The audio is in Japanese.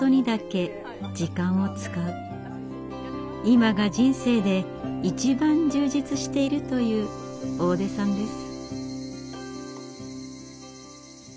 今が人生で一番充実しているという大出さんです。